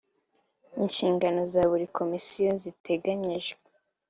inshingano za buri komisiyo ziteganyijwe